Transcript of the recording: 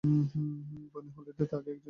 বনি হলিডে আগে একজন স্ট্রিপার হিসেবে কাজ করতেন।